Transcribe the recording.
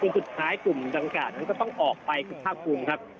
กลุ่มตรงการงั้นก็ต้องออกไปคุณภาครูงครับ